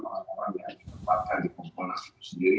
orang orang yang ditempatkan di kompolnas itu sendiri